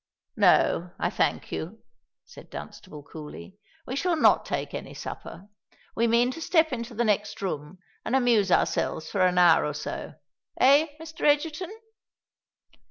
"No, I thank you," said Dunstable, coolly: "we shall not take any supper. We mean to step into the next room and amuse ourselves for an hour or so—eh, Mr. Egerton?"